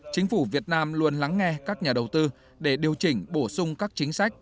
chính phủ việt nam luôn lắng nghe các nhà đầu tư để điều chỉnh bổ sung các chính sách